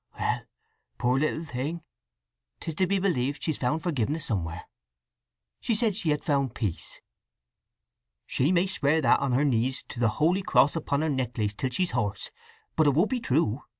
"Well—poor little thing, 'tis to be believed she's found forgiveness somewhere! She said she had found peace! "She may swear that on her knees to the holy cross upon her necklace till she's hoarse, but it won't be true!"